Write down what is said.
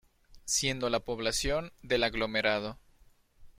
Siendo de la población del aglomerado.